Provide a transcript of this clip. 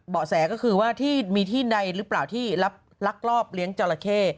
แสก็คือว่าที่มีที่ใดหรือเปล่าที่ลักลอบเลี้ยงจราเข้